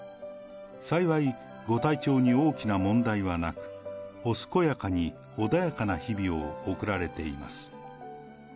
幸い、ご体調に大きな問題はなく、お健やかに穏やかな日々を送られています。